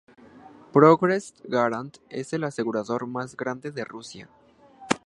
Progress-Garant es el asegurador más grande de Rusia.